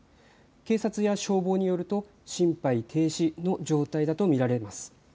警察や消防によると心肺停止の状態だと見られます。